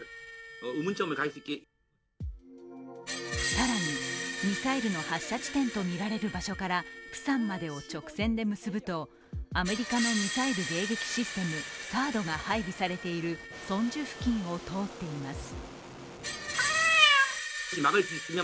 更に、ミサイルの発射地点とみられる場所からプサンまでを直線で結ぶと、アメリカのミサイル迎撃システム、ＴＨＡＡＤが配備されているソンジュ付近を通っています。